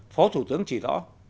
phó thủ tướng chỉ rõ